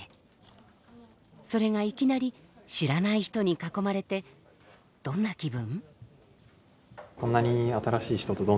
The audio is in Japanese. それがいきなり知らない人に囲まれてどんな気分？